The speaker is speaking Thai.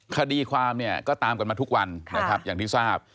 คดีความเนี่ยก็ตามกันมาทุกวันนะครับอย่างที่ทราบ